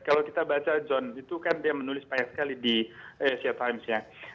kalau kita baca john itu kan dia menulis banyak sekali di asia times ya